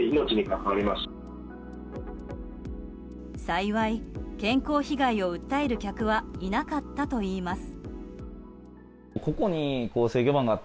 幸い、健康被害を訴える客はいなかったといいます。